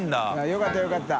よかったよかった。